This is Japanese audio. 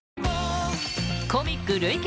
コミック累計